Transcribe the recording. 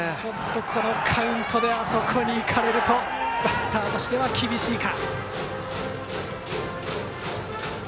このカウントであそこに行かれるとバッターとしては厳しいか。